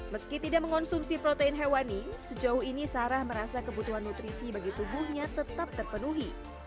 meski tidak mengonsumsi protein hewani sejauh ini sarah merasa kebutuhan nutrisi bagi tubuhnya tetap terpenuhi